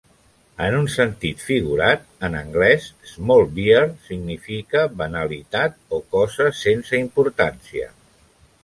En un sentit figurat, en anglès "small beer" significa banalitat o cosa sense importància.